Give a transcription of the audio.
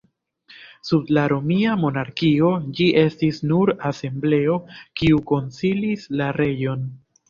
Sub la Romia monarkio, ĝi estis nur asembleo kiu konsilis la reĝon.